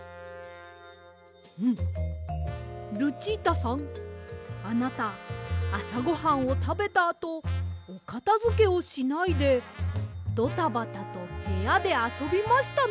うんルチータさんあなたあさごはんをたべたあとおかたづけをしないでドタバタとへやであそびましたね！